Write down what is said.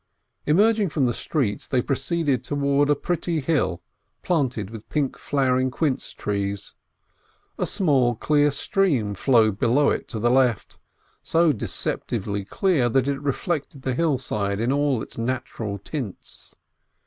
Emerging from the streets, they proceeded to\vards a pretty hill planted with pink flowering quince trees. A small, clear stream flowed below it to the left, so deceptively clear that it reflected the hillside in all its natural tints.